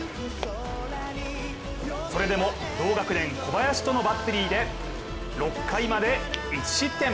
それでも同学年、小林とのバッテリーで６回まで１失点。